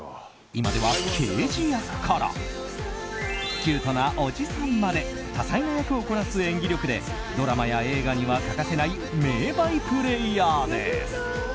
今では刑事役からキュートなおじさんまで多彩な役をこなす演技力でドラマや映画には欠かせない名バイプレーヤーです。